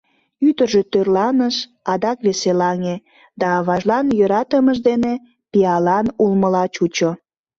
Ӱдыржӧ тӧрланыш, адак веселаҥе, да аважлан йӧратымыж дене пиалан улмыла чучо.